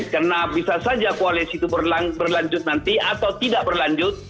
karena bisa saja koalisi itu berlanjut nanti atau tidak berlanjut